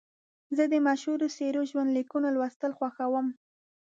زه د مشهورو سړیو ژوند لیکونه لوستل خوښوم.